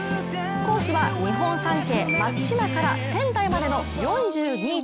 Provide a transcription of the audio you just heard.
コースは日本三景・松島から仙台までの４２．１９５ｋｍ。